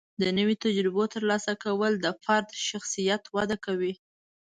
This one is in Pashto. د نوي تجربو ترلاسه کول د فرد شخصیت وده کوي.